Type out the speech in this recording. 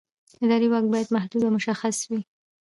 اداري واک باید محدود او مشخص وي.